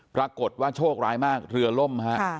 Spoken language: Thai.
ปรากฏว่าโชคร้ายมากเรือล่มฮะ